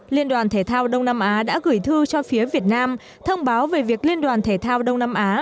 liên đoàn thể thao đông nam á đã gửi thư cho phía việt nam thông báo về việc liên đoàn thể thao đông nam á